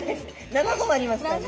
７本ありますからね。